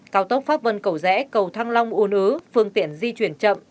cao tốc pháp vân cẩu rẽ cầu thăng long uôn ứ phương tiện di chuyển chậm